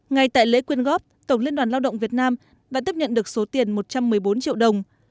ngay tại lễ quyên góp tổng liên đoàn lao động việt nam đã tiếp nhận được số tiền một trăm một mươi bốn triệu đồng